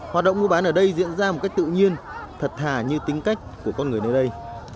hoạt động mua bán ở đây diễn ra một cách tự nhiên thật thà như tính cách của con người nơi đây